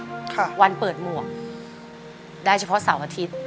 ค่ะวันเปิดหมวกได้เฉพาะเสาร์อาทิตย์